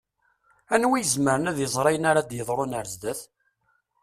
Anwa i izemren ad iẓeṛ ayen ara d-yeḍṛun ar zdat?